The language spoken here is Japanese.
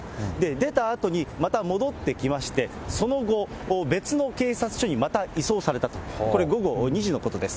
出たあとにまた戻ってきまして、その後、別の警察署にまた移送されたと、これ、午後２時のことです。